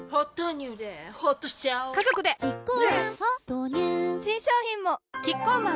豆乳新商品もキッコーマン